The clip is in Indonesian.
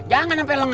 jangan sampai lengah